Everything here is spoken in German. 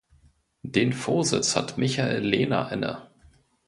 Den Vorsitz hat Michael Lehner inne.